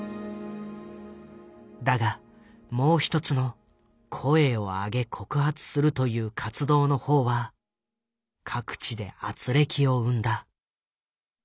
だがもう一つの「声を上げ告発する」という活動の方は各地で軋轢を生んだ。